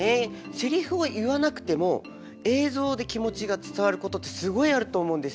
セリフを言わなくても映像で気持ちが伝わることってすごいあると思うんですよね。